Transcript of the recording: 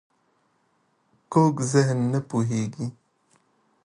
کوږ ذهن نه پوهېږي